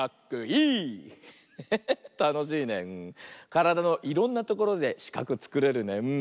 からだのいろんなところでしかくつくれるね。